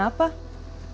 ada nomor hp kangmus